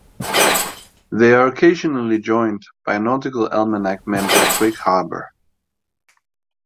They are occasionally joined by Nautical Almanac member Twig Harper.